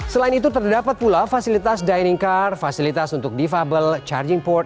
selain itu terdapat pula fasilitas dining car fasilitas untuk defable charging port